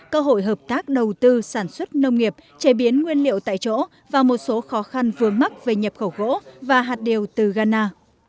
cơ hội hợp tác đầu tư sản xuất nông nghiệp chế biến nguyên liệu tại chỗ và một số khó khăn vướng mắc về nhập khẩu gỗ và hạt điều từ ghana